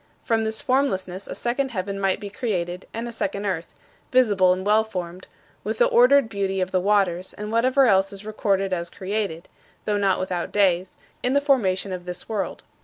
From this formlessness a second heaven might be created and a second earth visible and well formed, with the ordered beauty of the waters, and whatever else is recorded as created (though not without days) in the formation of this world.